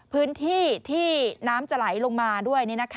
พื้นที่ที่น้ำจะไหลลงมาด้วย